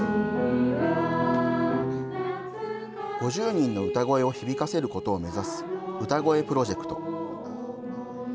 ５０人の歌声を響かせることを目指す歌声プロジェクト。